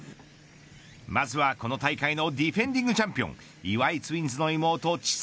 まずは、この大会のディフェンディングチャンピオン岩井ツインズの妹、千怜。